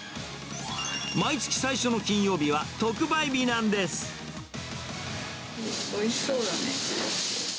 毎月最初の金曜日は特売日なんでおいしそうだね。